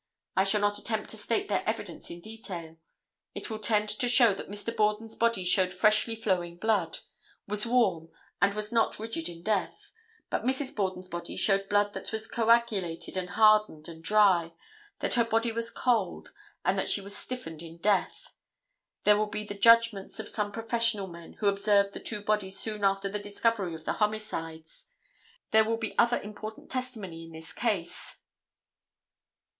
I shall not attempt to state their evidence in detail. It will tend to show that Mr. Borden's body showed freshly flowing blood; was warm and was not rigid in death; that Mrs. Borden's body showed blood that was coagulated and hardened and dry; that her body was cold, and that she was stiffened in death. There will be the judgments of some professional men who observed the two bodies soon after the discovery of the homicides. There will be other important testimony in this case.